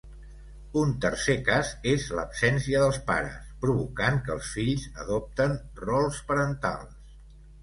Un tercer cas és l'absència dels pares, provocant que els fills adopten rols parentals.